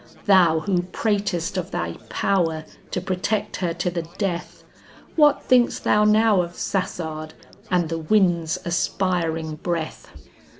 "Thou who pratest of thy power to protect her to the death, What think'st thou now of Sassard and the wind's aspiring breath?"